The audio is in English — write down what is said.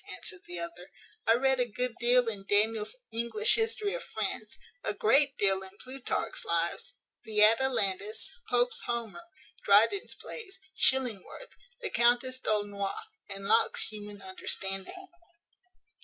answered the other. "I read a good deal in Daniel's English History of France; a great deal in Plutarch's Lives, the Atalantis, Pope's Homer, Dryden's Plays, Chillingworth, the Countess D'Aulnois, and Locke's Human Understanding.